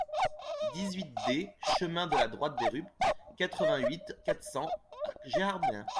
dix-huit D chemin de la Droite des Rupts, quatre-vingt-huit, quatre cents à Gérardmer